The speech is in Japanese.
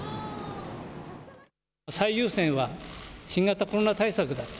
最優先は新型コロナ対策だと。